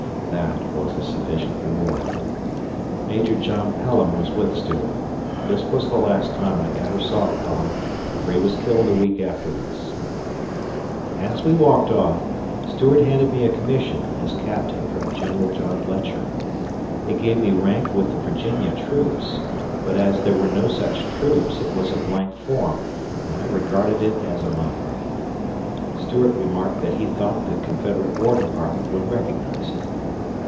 That was a sufficient reward. Major John Pelham was with Stuart. This was the last time I ever saw Pelham, for he was killed a week afterwards. As we walked off, Stuart handed me a commission as captain from Governor John Letcher. It gave me rank with the Virginia troops, but, as there were no such troops, it was a blank form, and I regarded it as a mockery. Stuart remarked that he thought the Confederate War Department would recognize it.